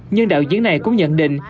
nhưng đạo diễn này cũng nhận định